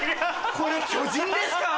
これ巨人ですか？